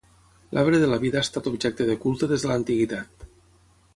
L'arbre de la vida ha estat objecte de culte des de l'antiguitat.